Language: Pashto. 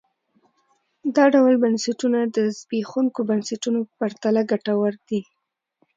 دا ډول بنسټونه د زبېښونکو بنسټونو په پرتله ګټور دي.